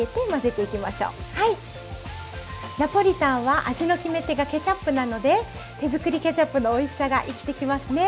ナポリタンは味の決め手がケチャップなので手作りケチャップのおいしさが生きてきますね。